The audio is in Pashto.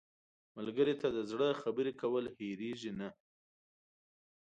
ملګری ته د زړه خبرې کول هېرېږي نه